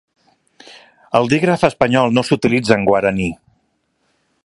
El dígraf espanyol no s'utilitza en guaraní.